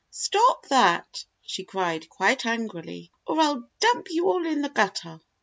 "Stop that!" she said quite angrily, "or I'll dump you all in the gutter!"